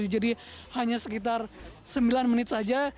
jadi hanya sekitar sembilan menit saja